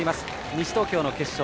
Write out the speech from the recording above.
西東京の決勝